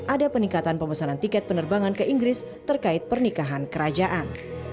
ada peningkatan pemesanan tiket penerbangan ke inggris terkait pernikahan kerajaan